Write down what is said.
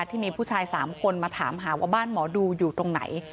ที่มีผู้ชาย๓คนมาถามหาว่าบ้านหมอดูอยู่ตรงไหน